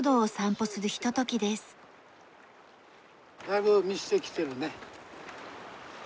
だいぶ満ちてきてるね。